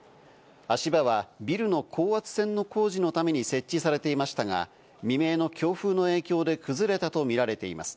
足場はビルの高圧線の工事のために設置されていましたが、未明の強風の影響で崩れたとみられています。